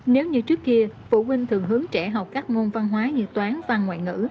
nếu như trước kia phụ huynh thường hướng trẻ học các môn văn hóa như toán văn ngoại ngữ